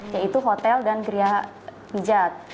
yaitu hotel dan geria pijat